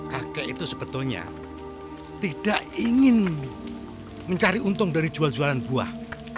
kakek itu sebetulnya tidak ingin mencari untung dari jual jualan buah